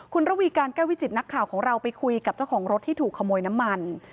คุณระวีการแก้ววิจิตนักข่าวของเราไปคุยกับเจ้าของรถที่ถูกขโมยน้ำมัน